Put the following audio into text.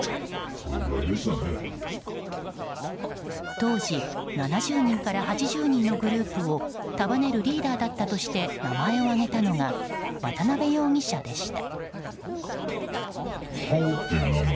当時、７０人から８０人のグループを束ねるリーダーだったとして名前を挙げたのが渡辺容疑者でした。